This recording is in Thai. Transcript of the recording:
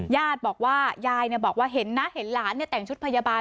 ญาติบอกว่ายายบอกว่าเห็นนะเห็นหลานแต่งชุดพยาบาล